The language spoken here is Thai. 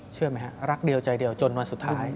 เชื่อไหมฮะรักเดียวใจเดียวจนวันสุดท้าย